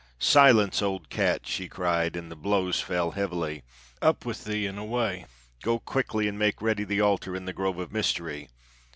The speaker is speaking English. "Silence, old cat!" she cried, and the blows fell heavily. "Up with thee, and away. Go quickly, and make ready the altar in the Grove of Mystery.